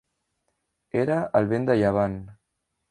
Era el vent de llevant.